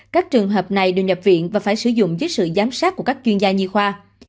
các trường hợp này được nhập viện và phải sử dụng dưới sự giám sát của các chuyên gia nhi khoa